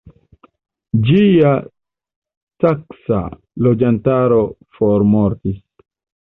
Ĝia saksa loĝantaro formortis.